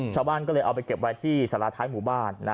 ชาวบ้านก็เลยเอาไปเก็บไว้ที่สาราท้ายหมู่บ้าน